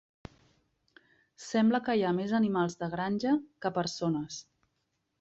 Sembla que hi ha més animals de granja que persones.